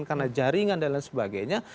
karena jaringan dan lain sebagainya